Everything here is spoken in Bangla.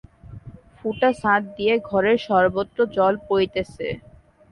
ফুটা ছাদ দিয়া ঘরের সর্বত্র জল পড়িতেছে।